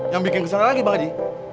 yang bikin kesana lagi bang haji